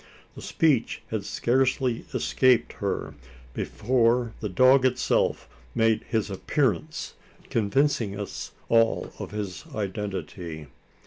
The speech had scarcely escaped her, before the dog himself made his appearance, convincing us all of his identity.